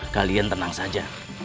kalian tenang saja